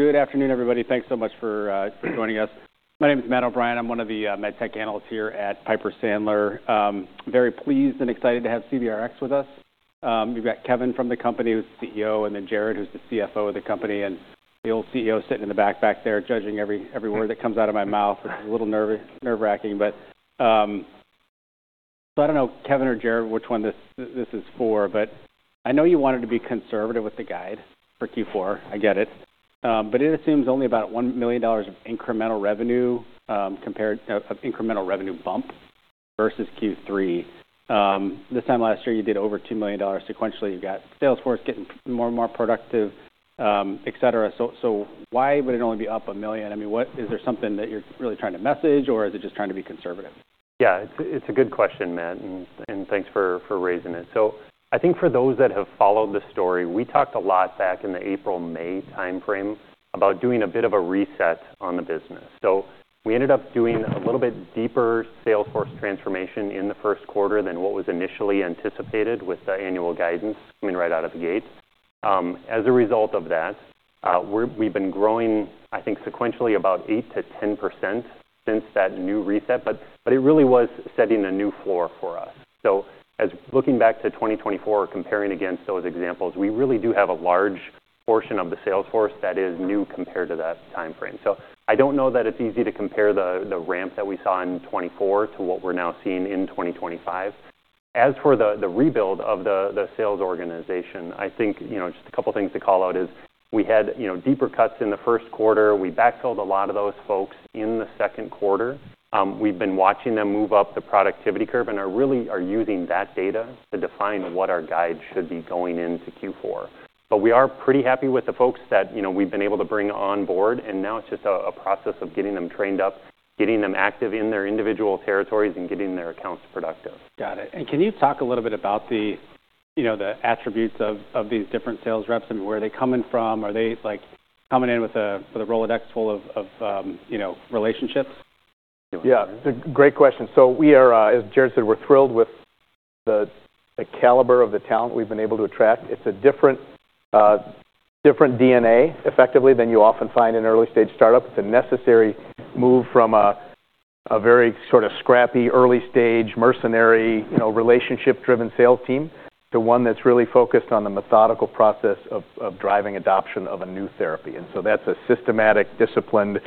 Good afternoon, everybody. Thanks so much for joining us. My name is Matt O'Brien. I'm one of the med tech analysts here at Piper Sandler. Very pleased and excited to have CVRx with us. We've got Kevin from the company, who's the CEO, and then Jared, who's the CFO of the company. And the old CEO's sitting in the back there, judging every word that comes out of my mouth. It's a little nerve-racking, but so I don't know, Kevin or Jared, which one this is for, but I know you wanted to be conservative with the guide for Q4. I get it. But it assumes only about $1 million of incremental revenue, compared to an incremental revenue bump versus Q3. This time last year, you did over $2 million sequentially. You've got sales force getting more and more productive, etc. Why would it only be up $1 million? I mean, what is there something that you're really trying to message, or is it just trying to be conservative? Yeah, it's a good question, Matt. And thanks for raising it. So I think for those that have followed the story, we talked a lot back in the April, May timeframe about doing a bit of a reset on the business. So we ended up doing a little bit deeper sales force transformation in the first quarter than what was initially anticipated with the annual guidance, coming right out of the gate. As a result of that, we've been growing, I think, sequentially about 8%-10% since that new reset. But it really was setting a new floor for us. So, looking back to 2024, comparing against those examples, we really do have a large portion of the sales force that is new compared to that timeframe. I don't know that it's easy to compare the ramp that we saw in 2024 to what we're now seeing in 2025. As for the rebuild of the sales organization, I think, you know, just a couple of things to call out is we had, you know, deeper cuts in the first quarter. We backfilled a lot of those folks in the second quarter. We've been watching them move up the productivity curve and are really using that data to define what our guide should be going into Q4. But we are pretty happy with the folks that, you know, we've been able to bring on board. And now it's just a process of getting them trained up, getting them active in their individual territories, and getting their accounts productive. Got it. And can you talk a little bit about the, you know, the attributes of these different sales reps? I mean, where are they coming from? Are they, like, coming in with a Rolodex full of, you know, relationships? Yeah, it's a great question. So we are, as Jared said, we're thrilled with the caliber of the talent we've been able to attract. It's a different, different DNA, effectively, than you often find in early-stage startups. It's a necessary move from a very sort of scrappy, early-stage, mercenary, you know, relationship-driven sales team to one that's really focused on the methodical process of driving adoption of a new therapy. And so that's a systematic, disciplined,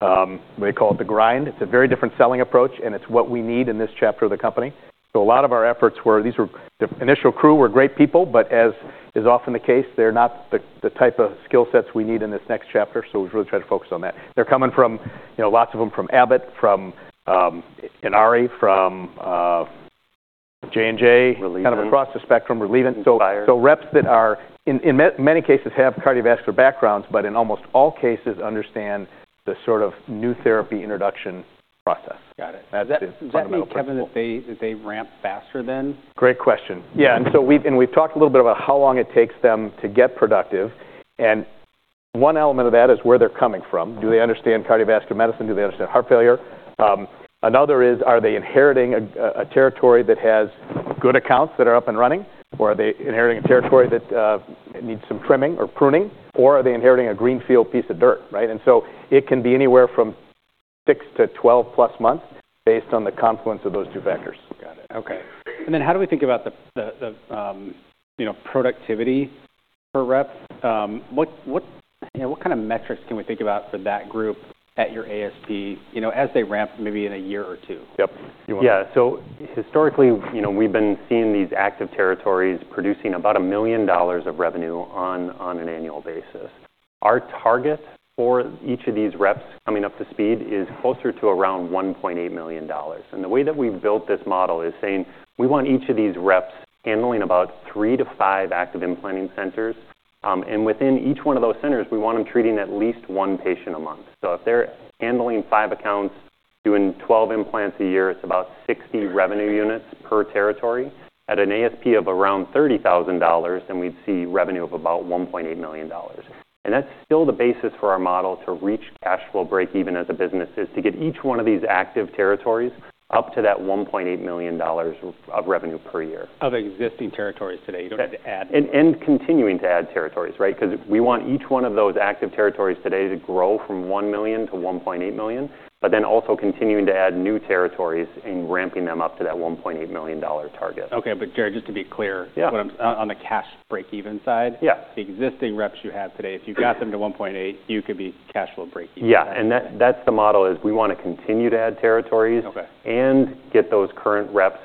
they call it the grind. It's a very different selling approach, and it's what we need in this chapter of the company. So a lot of our efforts, these were the initial crew, were great people, but as is often the case, they're not the type of skill sets we need in this next chapter. So we've really tried to focus on that. They're coming from, you know, lots of them from Abbott, from Inari, from J&J, kind of across the spectrum, Relievant. Reps that are, in many cases, have cardiovascular backgrounds, but in almost all cases, understand the sort of new therapy introduction process. Got it. Does that mean, Kevin, that they ramp faster than? Great question. Yeah. And so we've, and we've talked a little bit about how long it takes them to get productive. And one element of that is where they're coming from. Do they understand cardiovascular medicine? Do they understand heart failure? Another is, are they inheriting a territory that has good accounts that are up and running? Or are they inheriting a territory that needs some trimming or pruning? Or are they inheriting a greenfield piece of dirt? Right? And so it can be anywhere from 6-12+ months based on the confluence of those two factors. Got it. Okay. And then how do we think about the, you know, productivity per rep? What kind of metrics can we think about for that group at your ASP, you know, as they ramp maybe in a year or two? Yep. Yeah. So historically, you know, we've been seeing these active territories producing about $1 million of revenue on an annual basis. Our target for each of these reps coming up to speed is closer to around $1.8 million. And the way that we've built this model is saying we want each of these reps handling about three to five active implanting centers. And within each one of those centers, we want them treating at least one patient a month. So if they're handling five accounts, doing 12 implants a year, it's about 60 revenue units per territory. At an ASP of around $30,000, then we'd see revenue of about $1.8 million. And that's still the basis for our model to reach cash flow break-even as a business, is to get each one of these active territories up to that $1.8 million of revenue per year. Of existing territories today? You don't have to add. And continuing to add territories, right? Because we want each one of those active territories today to grow from $1 million to $1.8 million, but then also continuing to add new territories and ramping them up to that $1.8 million target. Okay. But Jared, just to be clear. Yeah. We're on the cash break-even side. Yeah. The existing reps you have today, if you got them to 1.8, you could be cash flow break-even. Yeah. And that, that's the model is we want to continue to add territories. Okay. And get those current reps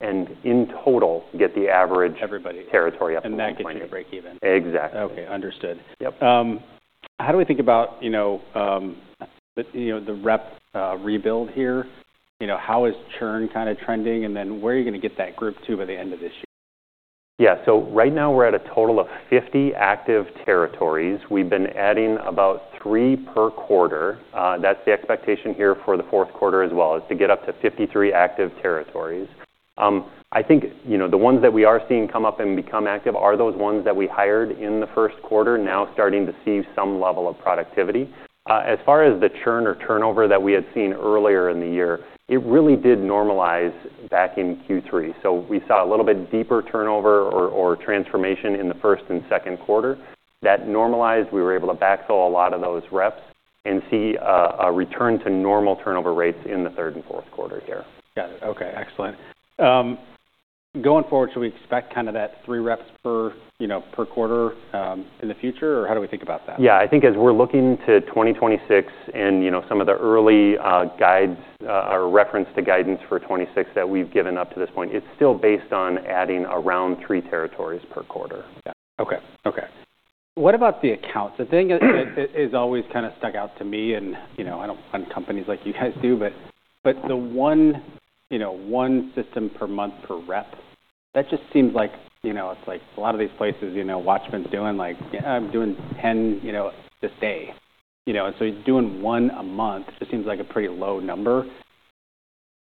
and in total get the average. Everybody. Territory up to 1.8. That gets you a break-even. Exactly. Okay. Understood. Yep. How do we think about, you know, the rep rebuild here? You know, how is churn kind of trending? And then where are you going to get that group to by the end of this year? Yeah. So right now we're at a total of 50 active territories. We've been adding about three per quarter. That's the expectation here for the fourth quarter as well, is to get up to 53 active territories. I think, you know, the ones that we are seeing come up and become active are those ones that we hired in the first quarter, now starting to see some level of productivity. As far as the churn or turnover that we had seen earlier in the year, it really did normalize back in Q3. So we saw a little bit deeper turnover or transformation in the first and second quarter. That normalized, we were able to backfill a lot of those reps and see a return to normal turnover rates in the third and fourth quarter here. Got it. Okay. Excellent. Going forward, should we expect kind of that three reps per, you know, per quarter, in the future? Or how do we think about that? Yeah. I think as we're looking to 2026 and, you know, some of the early guides or reference to guidance for 2026 that we've given up to this point, it's still based on adding around three territories per quarter. Okay. Okay. What about the accounts? The thing that is always kind of stuck out to me, and, you know, I don't find companies like you guys do, but, but the one, you know, one system per month per rep, that just seems like, you know, it's like a lot of these places, you know, WATCHMAN's doing like, "I'm doing 10, you know, this day." You know, and so doing one a month just seems like a pretty low number.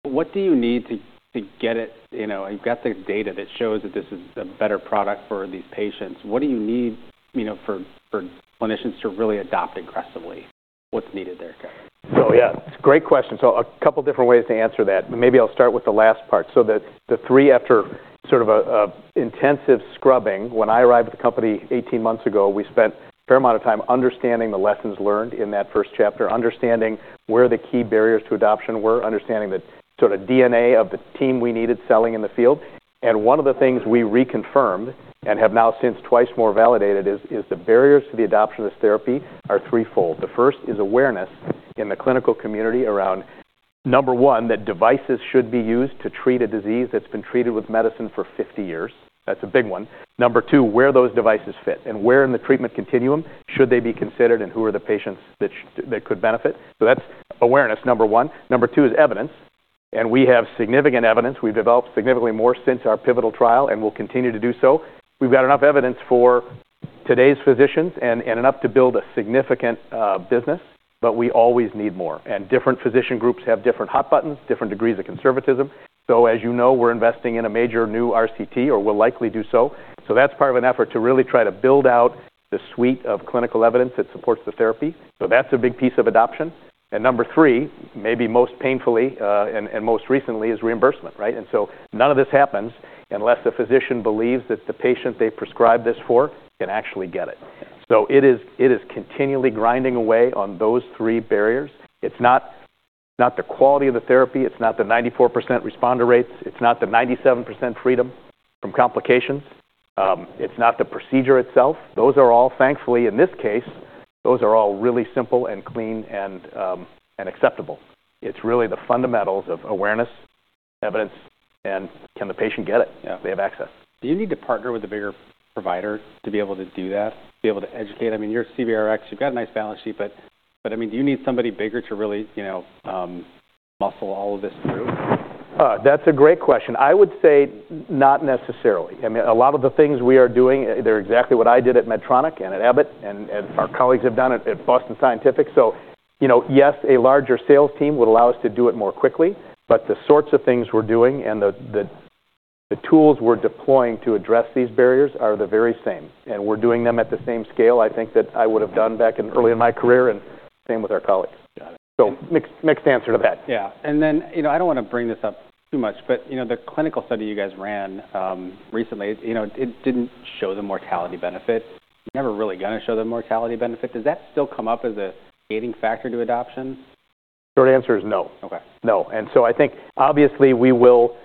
What do you need to, to get it, you know, you've got the data that shows that this is a better product for these patients. What do you need, you know, for, for clinicians to really adopt aggressively? What's needed there, Kevin? So yeah, it's a great question. So a couple of different ways to answer that. Maybe I'll start with the last part. So the three after sort of an intensive scrubbing. When I arrived at the company 18 months ago, we spent a fair amount of time understanding the lessons learned in that first chapter, understanding where the key barriers to adoption were, understanding the sort of DNA of the team we needed selling in the field, and one of the things we reconfirmed and have now since twice more validated is the barriers to the adoption of this therapy are threefold. The first is awareness in the clinical community around, number one, that devices should be used to treat a disease that's been treated with medicine for 50 years. That's a big one. Number two, where those devices fit and where in the treatment continuum should they be considered and who are the patients that could benefit. So that's awareness, number one. Number two is evidence. And we have significant evidence. We've developed significantly more since our pivotal trial and will continue to do so. We've got enough evidence for today's physicians and enough to build a significant business, but we always need more. And different physician groups have different hot buttons, different degrees of conservatism. So as you know, we're investing in a major new RCT or will likely do so. So that's part of an effort to really try to build out the suite of clinical evidence that supports the therapy. So that's a big piece of adoption. And number three, maybe most painfully, and most recently is reimbursement, right? And so none of this happens unless a physician believes that the patient they prescribed this for can actually get it. So it is continually grinding away on those three barriers. It's not the quality of the therapy. It's not the 94% responder rates. It's not the 97% freedom from complications. It's not the procedure itself. Those are all, thankfully, really simple and clean and acceptable. It's really the fundamentals of awareness, evidence, and can the patient get it? Yeah. They have access. Do you need to partner with a bigger provider to be able to do that, be able to educate? I mean, you're CVRx. You've got a nice balance sheet, but, but I mean, do you need somebody bigger to really, you know, muscle all of this through? That's a great question. I would say not necessarily. I mean, a lot of the things we are doing, they're exactly what I did at Medtronic and at Abbott, and our colleagues have done it at Boston Scientific. So, you know, yes, a larger sales team would allow us to do it more quickly, but the sorts of things we're doing and the tools we're deploying to address these barriers are the very same. And we're doing them at the same scale, I think, that I would have done back in early in my career and same with our colleagues. Got it. So mixed, mixed answer to that. Yeah. And then, you know, I don't want to bring this up too much, but, you know, the clinical study you guys ran, recently, you know, it didn't show the mortality benefit. Never really going to show the mortality benefit. Does that still come up as a gating factor to adoption? Short answer is no. Okay. No. And so I think obviously we will,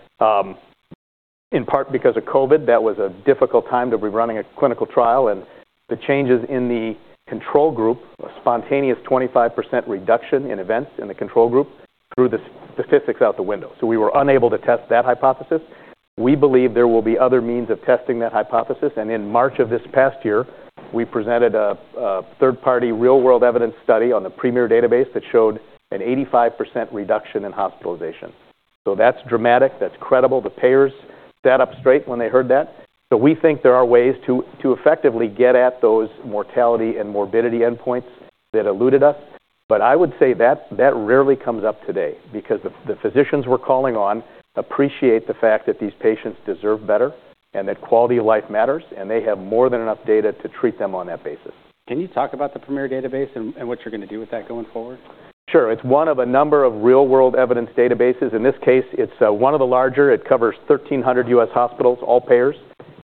in part because of COVID, that was a difficult time to be running a clinical trial, and the changes in the control group, a spontaneous 25% reduction in events in the control group threw the statistics out the window, so we were unable to test that hypothesis. We believe there will be other means of testing that hypothesis, and in March of this past year, we presented a third-party real-world evidence study on the Premier database that showed an 85% reduction in hospitalization, so that's dramatic. That's credible. The payers sat up straight when they heard that, so we think there are ways to effectively get at those mortality and morbidity endpoints that eluded us. But I would say that rarely comes up today because the physicians we're calling on appreciate the fact that these patients deserve better and that quality of life matters, and they have more than enough data to treat them on that basis. Can you talk about the Premier database and what you're going to do with that going forward? Sure. It's one of a number of real-world evidence databases. In this case, it's one of the larger. It covers 1,300 U.S. hospitals, all payers,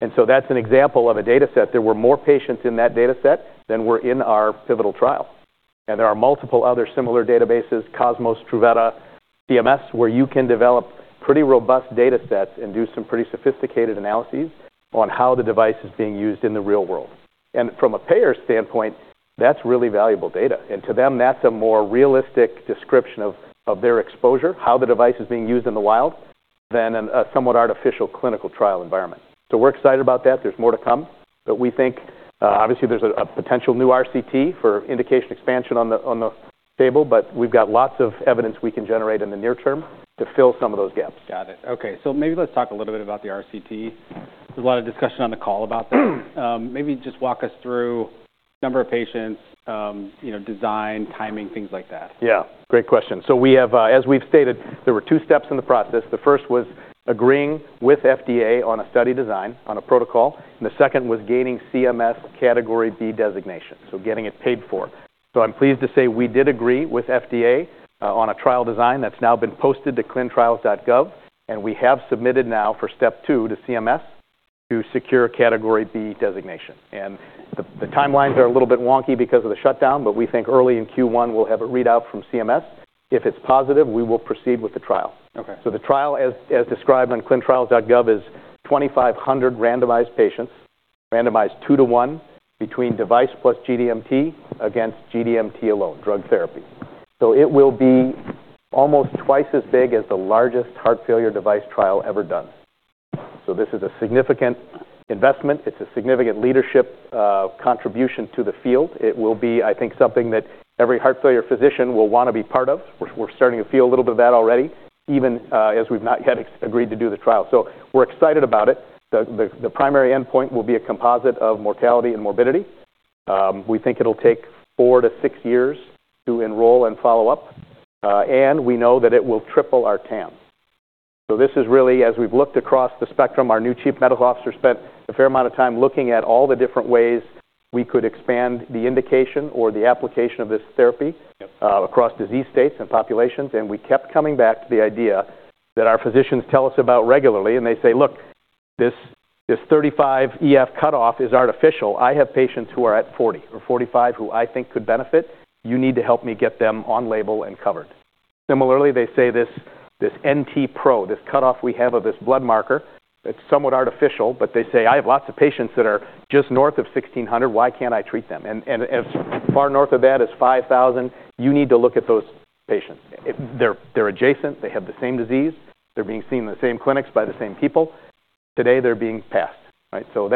and so that's an example of a dataset. There were more patients in that dataset than were in our pivotal trial, and there are multiple other similar databases, Cosmos, Truveta, CMS, where you can develop pretty robust datasets and do some pretty sophisticated analyses on how the device is being used in the real world, and from a payer standpoint, that's really valuable data, and to them, that's a more realistic description of their exposure, how the device is being used in the wild than in a somewhat artificial clinical trial environment, so we're excited about that. There's more to come. But we think, obviously there's a potential new RCT for indication expansion on the table, but we've got lots of evidence we can generate in the near term to fill some of those gaps. Got it. Okay. So maybe let's talk a little bit about the RCT. There's a lot of discussion on the call about that. Maybe just walk us through number of patients, you know, design, timing, things like that. Yeah. Great question. We have, as we've stated, there were two steps in the process. The first was agreeing with FDA on a study design, on a protocol. The second was gaining CMS Category B designation, so getting it paid for. I'm pleased to say we did agree with FDA on a trial design that's now been posted to ClinicalTrials.gov. We have submitted now for step two to CMS to secure Category B designation. The timelines are a little bit wonky because of the shutdown, but we think early in Q1 we'll have a readout from CMS. If it's positive, we will proceed with the trial. Okay. So the trial, as described on ClinicalTrials.gov, is 2,500 randomized patients, randomized two to one between device plus GDMT against GDMT alone, drug therapy. So it will be almost twice as big as the largest heart failure device trial ever done. So this is a significant investment. It's a significant leadership, contribution to the field. It will be, I think, something that every heart failure physician will want to be part of. We're starting to feel a little bit of that already, even as we've not yet agreed to do the trial. So we're excited about it. The primary endpoint will be a composite of mortality and morbidity. We think it'll take four to six years to enroll and follow up, and we know that it will triple our TAM. So this is really, as we've looked across the spectrum, our new Chief Medical Officer spent a fair amount of time looking at all the different ways we could expand the indication or the application of this therapy, across disease states and populations. And we kept coming back to the idea that our physicians tell us about regularly, and they say, "Look, this 35 EF cutoff is artificial. I have patients who are at 40 or 45 who I think could benefit. You need to help me get them on label and covered." Similarly, they say this NT-pro, this cutoff we have of this blood marker; it's somewhat artificial, but they say, "I have lots of patients that are just north of 1,600. Why can't I treat them?" And as far north of that as 5,000, you need to look at those patients. If they're adjacent, they have the same disease, they're being seen in the same clinics by the same people. Today they're being passed, right? So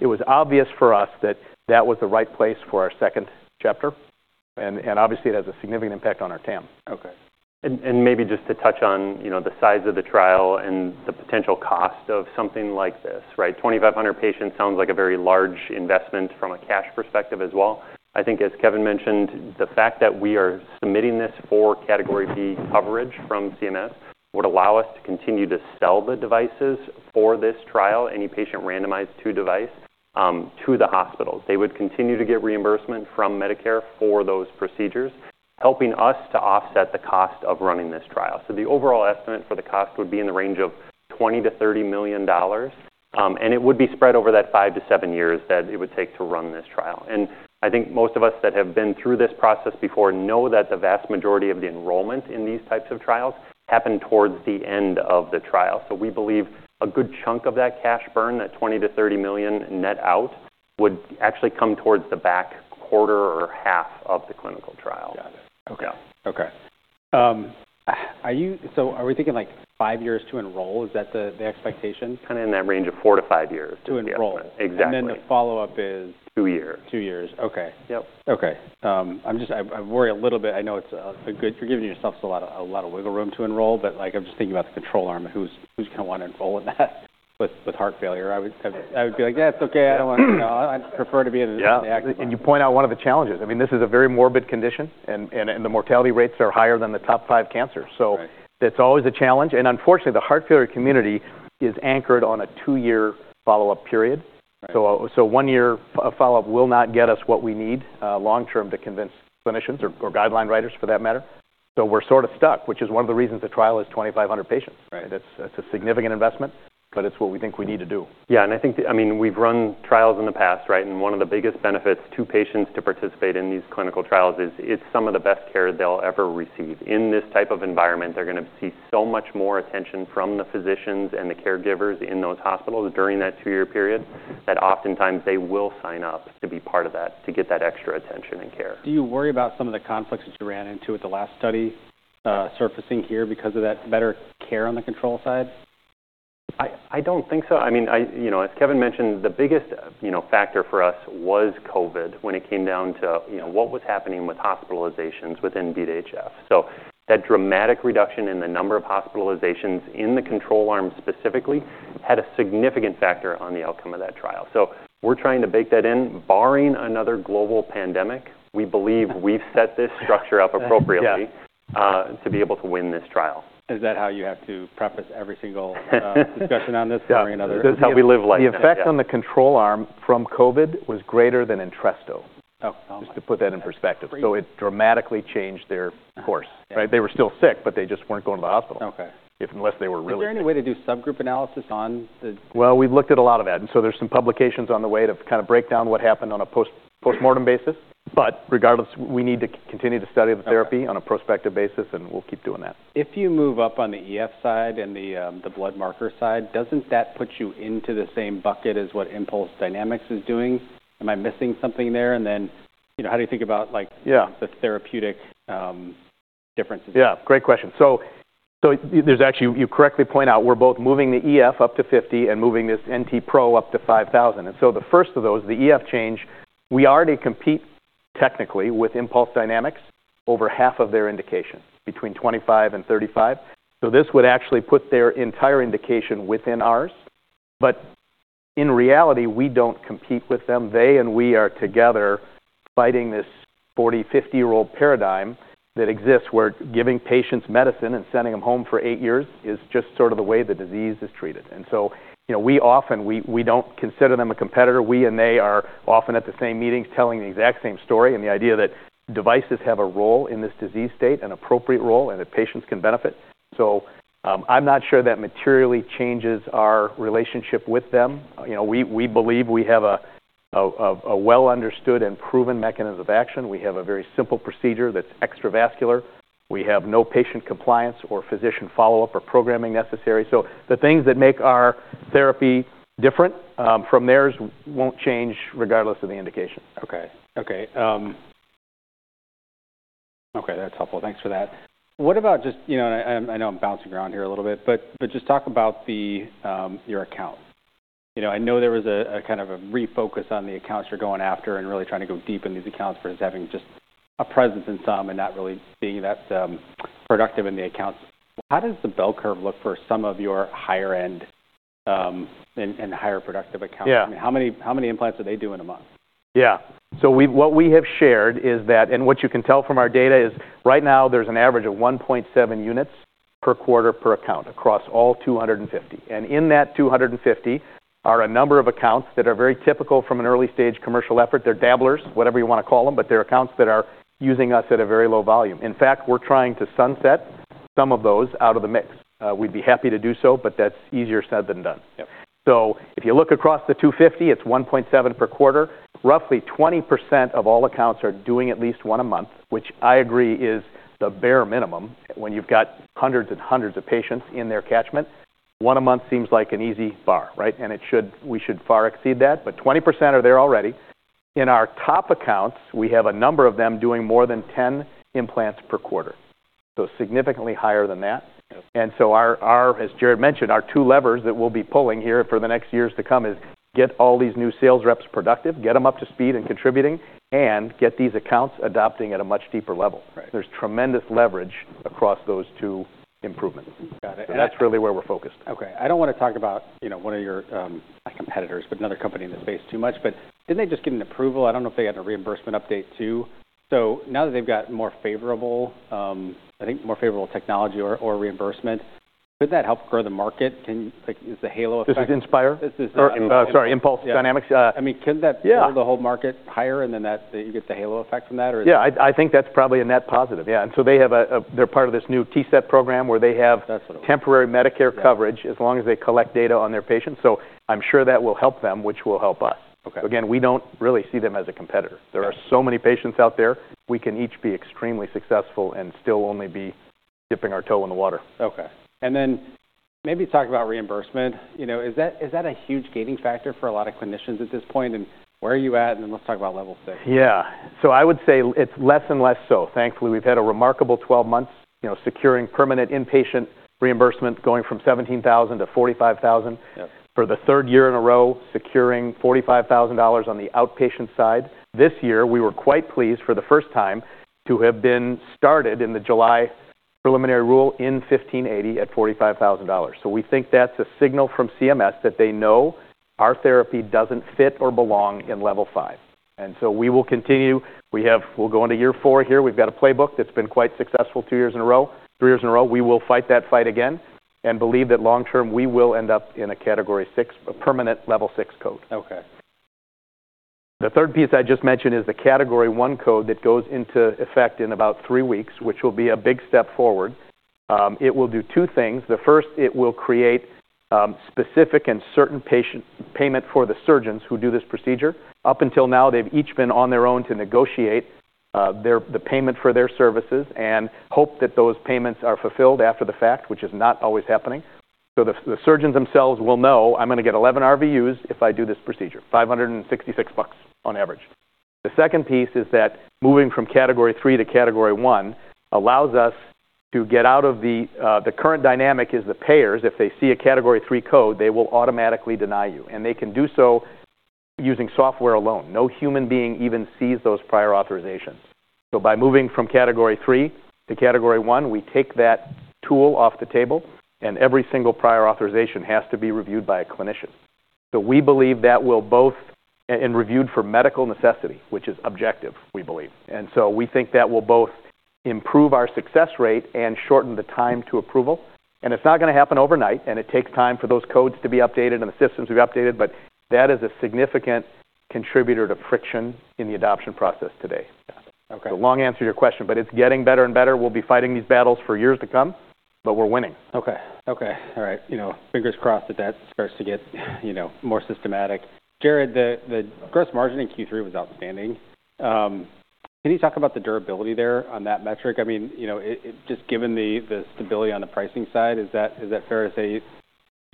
it was obvious for us that that was the right place for our second chapter. And obviously it has a significant impact on our TAM. Okay. And maybe just to touch on, you know, the size of the trial and the potential cost of something like this, right? 2,500 patients sounds like a very large investment from a cash perspective as well. I think as Kevin mentioned, the fact that we are submitting this for Category B coverage from CMS would allow us to continue to sell the devices for this trial, any patient randomized to device, to the hospitals. They would continue to get reimbursement from Medicare for those procedures, helping us to offset the cost of running this trial. So the overall estimate for the cost would be in the range of $20 million-$30 million, and it would be spread over that five to seven years that it would take to run this trial. I think most of us that have been through this process before know that the vast majority of the enrollment in these types of trials happen towards the end of the trial. We believe a good chunk of that cash burn, that $20 million-$30 million net out, would actually come towards the back quarter or half of the clinical trial. Got it. Okay. Okay. So are we thinking like five years to enroll? Is that the expectation? Kind of in that range of four-to-five years to enroll. To enroll. Exactly. Then the follow-up is. Two years. Two years. Okay. Yep. Okay. I'm just. I worry a little bit. I know it's a good. You're giving yourselves a lot of wiggle room to enroll, but like I'm just thinking about the control arm. Who's going to want to enroll in that with heart failure? I would be like, "Yeah, it's okay. I don't want to, you know, I'd prefer to be in the actual. Yeah, and you point out one of the challenges. I mean, this is a very morbid condition, and the mortality rates are higher than the top five cancers, so that's always a challenge. Unfortunately, the heart failure community is anchored on a two-year follow-up period. Right. So one-year follow-up will not get us what we need, long-term to convince clinicians or guideline writers for that matter. So we're sort of stuck, which is one of the reasons the trial is 2,500 patients. Right. It's, it's a significant investment, but it's what we think we need to do. Yeah. And I think, I mean, we've run trials in the past, right? And one of the biggest benefits to patients to participate in these clinical trials is it's some of the best care they'll ever receive. In this type of environment, they're going to see so much more attention from the physicians and the caregivers in those hospitals during that two-year period that oftentimes they will sign up to be part of that, to get that extra attention and care. Do you worry about some of the conflicts that you ran into with the last study, surfacing here because of that better care on the control side? I don't think so. I mean, you know, as Kevin mentioned, the biggest, you know, factor for us was COVID when it came down to, you know, what was happening with hospitalizations within BeAT-HF. So that dramatic reduction in the number of hospitalizations in the control arm specifically had a significant factor on the outcome of that trial. So we're trying to bake that in. Barring another global pandemic, we believe we've set this structure up appropriately, to be able to win this trial. Is that how you have to preface every single discussion on this? Yeah. Barring another pandemic. That's how we live life. The effect on the control arm from COVID was greater than ENTRESTO. Oh, oh my. Just to put that in perspective. So it dramatically changed their course, right? They were still sick, but they just weren't going to the hospital. Okay. If, unless they were really. Is there any way to do subgroup analysis on the? We've looked at a lot of that. And so there's some publications on the way to kind of break down what happened on a postmortem basis. But regardless, we need to continue to study the therapy on a prospective basis, and we'll keep doing that. If you move up on the EF side and the blood marker side, doesn't that put you into the same bucket as what Impulse Dynamics is doing? Am I missing something there? And then, you know, how do you think about, like. Yeah. The therapeutic differences? Yeah. Great question. So there's actually, you correctly point out, we're both moving the EF up to 50 and moving this NT-pro up to 5,000. And so the first of those, the EF change, we already compete technically with Impulse Dynamics over half of their indication between 25 and 35. So this would actually put their entire indication within ours. But in reality, we don't compete with them. They and we are together fighting this 40- to 50-year-old paradigm that exists where giving patients medicine and sending them home for eight years is just sort of the way the disease is treated. And so, you know, we often don't consider them a competitor. We and they are often at the same meetings telling the exact same story and the idea that devices have a role in this disease state, an appropriate role, and that patients can benefit. So, I'm not sure that materially changes our relationship with them. You know, we believe we have a well-understood and proven mechanism of action. We have a very simple procedure that's extravascular. We have no patient compliance or physician follow-up or programming necessary. So the things that make our therapy different from theirs won't change regardless of the indication. Okay. That's helpful. Thanks for that. What about just, you know, and I know I'm bouncing around here a little bit, but just talk about the, your account. You know, I know there was a kind of refocus on the accounts you're going after and really trying to go deep in these accounts versus having just a presence in some and not really being that productive in the accounts. How does the bell curve look for some of your higher-end and higher productive accounts? Yeah. I mean, how many implants are they doing a month? Yeah. So we, what we have shared is that, and what you can tell from our data is right now there's an average of 1.7 units per quarter per account across all 250. And in that 250 are a number of accounts that are very typical from an early-stage commercial effort. They're dabblers, whatever you want to call them, but they're accounts that are using us at a very low volume. In fact, we're trying to sunset some of those out of the mix. We'd be happy to do so, but that's easier said than done. Yep. So if you look across the 250, it's 1.7 per quarter. Roughly 20% of all accounts are doing at least one a month, which I agree is the bare minimum when you've got hundreds and hundreds of patients in their catchment. One a month seems like an easy bar, right? And it should; we should far exceed that. But 20% are there already. In our top accounts, we have a number of them doing more than 10 implants per quarter. So significantly higher than that. And so our, as Jared mentioned, our two levers that we'll be pulling here for the next years to come is get all these new sales reps productive, get them up to speed and contributing, and get these accounts adopting at a much deeper level. Right. There's tremendous leverage across those two improvements. Got it. That's really where we're focused. Okay. I don't want to talk about, you know, one of your competitors, but another company in this space too much, but didn't they just get an approval? I don't know if they had a reimbursement update too. So now that they've got more favorable, I think more favorable technology or, or reimbursement, could that help grow the market? Can you, like, is the halo effect? This is Inspire? This is Inspire. Oh, sorry. Impulse Dynamics? Yeah. I mean, could that. Yeah. Build the whole market higher and then that you get the halo effect from that or is? Yeah. I think that's probably a net positive. Yeah. And so they have. They're part of this new TCET program where they have. That's what it was. Temporary Medicare coverage as long as they collect data on their patients. So I'm sure that will help them, which will help us. Okay. Again, we don't really see them as a competitor. There are so many patients out there. We can each be extremely successful and still only be dipping our toe in the water. Okay. And then maybe talk about reimbursement. You know, is that, is that a huge gating factor for a lot of clinicians at this point? And where are you at? And then let's talk about Level 6. Yeah. So I would say it's less and less so. Thankfully, we've had a remarkable 12 months, you know, securing permanent inpatient reimbursement going from 17,000 to 45,000. Yep. For the third year in a row, securing $45,000 on the outpatient side. This year, we were quite pleased for the first time to have been started in the July preliminary rule in 1580 at $45,000, so we think that's a signal from CMS that they know our therapy doesn't fit or belong in Level 5, and so we will continue. We have, we'll go into year four here. We've got a playbook that's been quite successful two years in a row, three years in a row. We will fight that fight again and believe that long-term we will end up in a Category 6, a permanent Level 6 code. Okay. The third piece I just mentioned is the Category I code that goes into effect in about three weeks, which will be a big step forward. It will do two things. The first, it will create specific and certain patient payment for the surgeons who do this procedure. Up until now, they've each been on their own to negotiate their payment for their services and hope that those payments are fulfilled after the fact, which is not always happening. So the surgeons themselves will know, "I'm going to get 11 RVUs if I do this procedure," $566 on average. The second piece is that moving from Category III to Category I allows us to get out of the current dynamic is the payers, if they see a Category III code, they will automatically deny you. And they can do so using software alone. No human being even sees those prior authorizations, so by moving from Category III to Category I, we take that tool off the table, and every single prior authorization has to be reviewed by a clinician, so we believe that will be reviewed for medical necessity, which is objective, we believe, and so we think that will both improve our success rate and shorten the time to approval, and it's not going to happen overnight, and it takes time for those codes to be updated and the systems to be updated, but that is a significant contributor to friction in the adoption process today. Got it. Okay. The long answer to your question, but it's getting better and better. We'll be fighting these battles for years to come, but we're winning. Okay. Okay. All right. You know, fingers crossed that that starts to get, you know, more systematic. Jared, the, the gross margin in Q3 was outstanding. Can you talk about the durability there on that metric? I mean, you know, it, it just given the, the stability on the pricing side, is that, is that fair to say,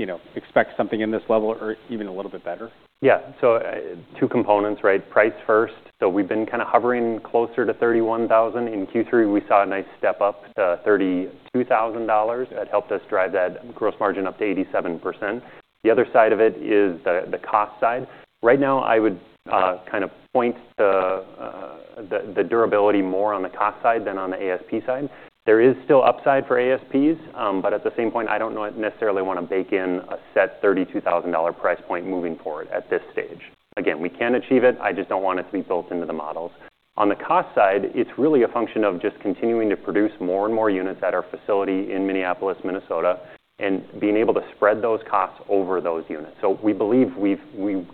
you know, expect something in this level or even a little bit better? Yeah. So, two components, right? Price first. So we've been kind of hovering closer to $31,000. In Q3, we saw a nice step up to $32,000. That helped us drive that gross margin up to 87%. The other side of it is the cost side. Right now, I would kind of point the durability more on the cost side than on the ASP side. There is still upside for ASPs, but at the same point, I don't necessarily want to bake in a set $32,000 price point moving forward at this stage. Again, we can achieve it. I just don't want it to be built into the models. On the cost side, it's really a function of just continuing to produce more and more units at our facility in Minneapolis, Minnesota, and being able to spread those costs over those units. So we believe we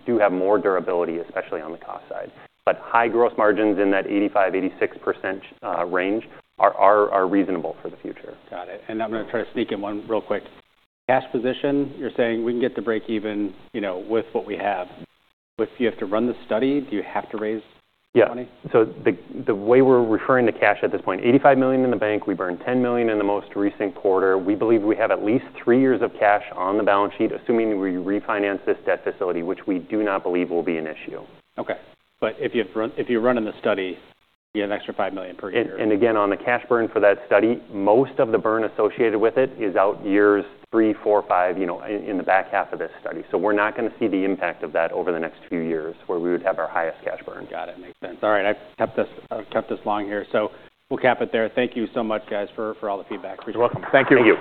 do have more durability, especially on the cost side. But high gross margins in that 85%-86% range are reasonable for the future. Got it. And I'm going to try to sneak in one real quick. Cash position, you're saying we can get the break even, you know, with what we have. If you have to run the study, do you have to raise the money? Yeah. So the way we're referring to cash at this point, $85 million in the bank, we burned $10 million in the most recent quarter. We believe we have at least three years of cash on the balance sheet, assuming we refinance this debt facility, which we do not believe will be an issue. Okay. But if you have, if you run in the study, you have an extra $5 million per year. Again, on the cash burn for that study, most of the burn associated with it is out years three, four, five, you know, in the back half of this study, so we're not going to see the impact of that over the next few years where we would have our highest cash burn. Got it. Makes sense. All right. I kept us long here. So we'll cap it there. Thank you so much, guys, for all the feedback. Appreciate it. You're welcome. Thank you.